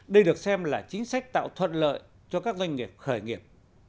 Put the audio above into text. đây được xem là chính sách tạo thuận lợi cho các doanh nghiệp khởi nghiệp